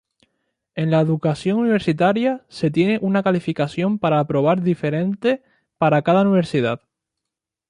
En la educación universitaria se tiene una calificación para aprobar diferente para cada universidad.